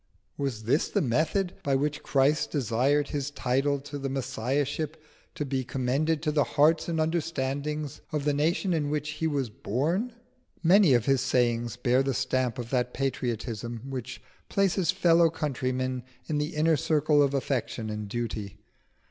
Was this the method by which Christ desired His title to the Messiahship to be commended to the hearts and understandings of the nation in which He was born? Many of His sayings bear the stamp of that patriotism which places fellow countrymen in the inner circle of affection and duty.